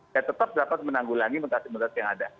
dan tetap dapat menanggulangi vaksin vaksin yang ada